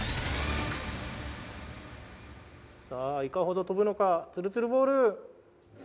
さあいかほど飛ぶのかツルツルボール！